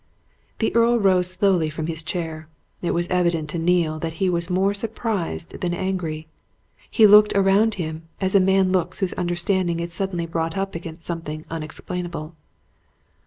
The Earl rose slowly from his chair. It was evident to Neale that he was more surprised than angry: he looked around him as a man looks whose understanding is suddenly brought up against something unexplainable.